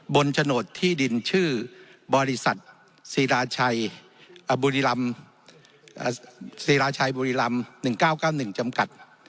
บนจนดที่ดินชื่อบริษัทสีราชัยบุรีลำ๑๙๙๑จำกัด